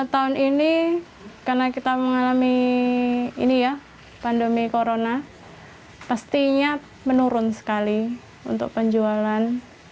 tahun ini karena kita mengalami pandemi corona pastinya menurun sekali untuk penjualan